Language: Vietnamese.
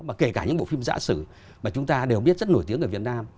và kể cả những bộ phim giã sử mà chúng ta đều biết rất nổi tiếng ở việt nam